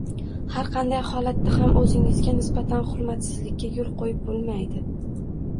Har qanday holatda ham o‘zingizga nisbatan hurmatsizlikka yo‘l qo‘yib bo‘lmaydi.